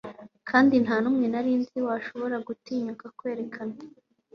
Kandi ntanumwe nari nzi washoboraga gutinyuka kwerekana